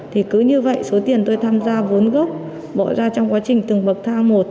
thì cứ như vậy số tiền tôi tham gia vốn gốc bỏ ra trong quá trình từng bậc thang một